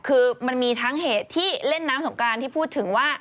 คือมันมีทั้งเหตุที่เล่นน้ำสงกรานที่พูดถึงว่า